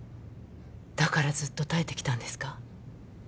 だからずっと耐えてきたんですか？